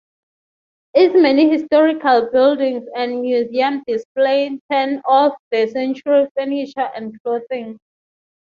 Its many historical buildings and museum display turn-of-the-century furniture and clothing.